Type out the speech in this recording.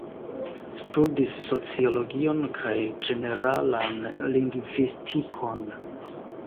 Studis sociologion kaj ĝeneralan lingvistikon.